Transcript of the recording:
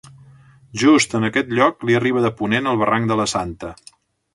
Just en aquest lloc li arriba de ponent el barranc de la Santa.